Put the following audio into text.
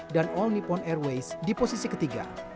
dan all nippon airways di posisi ketiga